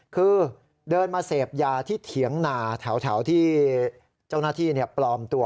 คือเดินมาเสพยาที่เถียงนาแถวที่เจ้าหน้าที่ปลอมตัว